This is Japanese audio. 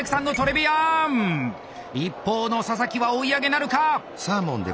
一方の佐々木は追い上げなるか！